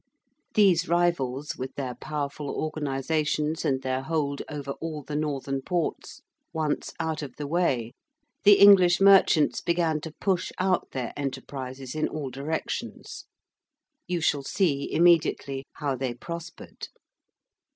These rivals, with their powerful organisations and their hold over all the northern ports, once out of the way the English merchants began to push out their enterprises in all directions. You shall see immediately how they prospered.